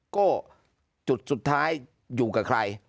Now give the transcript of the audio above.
ก็จุดสุดท้ายอยู่กับใคร